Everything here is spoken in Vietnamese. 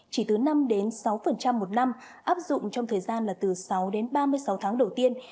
chỉ từ năm đến sáu một năm áp dụng trong thời gian là từ sáu đến ba mươi sáu tháng đầu tiên